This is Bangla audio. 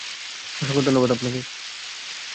অসংখ্য ধন্যবাদ আপনাকে।